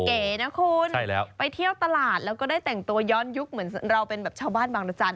เก๋นะคุณไปเที่ยวตลาดแล้วก็ได้แต่งตัวย้อนยุคเหมือนเราเป็นแบบชาวบ้านบางรจันท